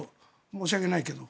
申し訳ないけど。